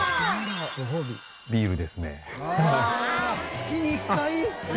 月に１回？